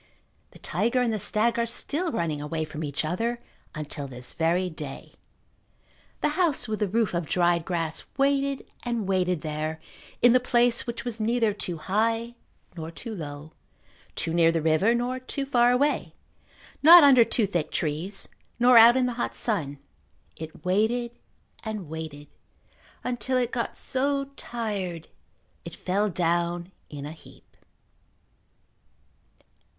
The tiger and the stag are still running away from each other until this very day. The house with the roof of dried grass waited and waited there in the place which was neither too high nor too low, too near the river nor too far away, not under too thick trees nor out in the hot sun. It waited and waited until it go so tired it fell down in a heap.